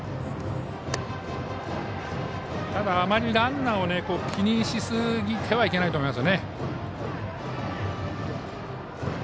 ただ、あまりランナーを気にしすぎてはいけないと思いますね。